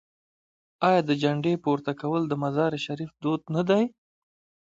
آیا د جنډې پورته کول د مزار شریف دود نه دی؟